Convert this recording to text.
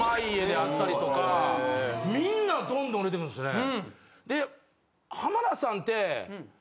みんなどんどん売れてるんですよね。